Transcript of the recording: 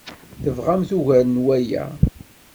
Tebɣamt ugar n waya?